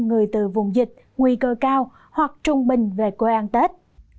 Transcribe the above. người từ vùng dịch nguy cơ cao hoặc trung bình về quê ăn tết